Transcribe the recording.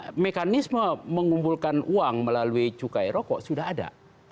nah mekanisme mengumpulkan uang melalui cukai rokok sudah ada